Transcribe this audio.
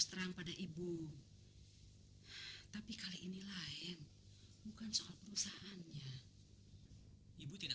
terkongsi sendiri ya